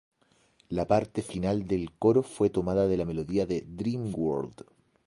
La parte final del coro fue tomada de la melodía de "Dream World".